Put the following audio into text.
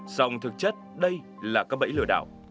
sòng thực chất đây là các bẫy lừa đảo